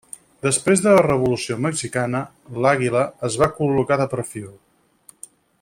Després de la Revolució Mexicana l'àguila es va col·locar de perfil.